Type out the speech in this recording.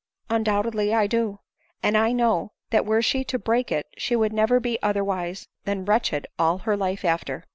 " Undoubtedly I do ; and I know, that were she to break it she would never be otherwise than wretched all her life after.